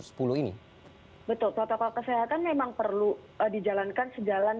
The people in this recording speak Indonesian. betul protokol kesehatan memang perlu dijalankan sejalan